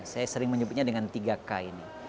saya sering menyebutnya dengan tiga k ini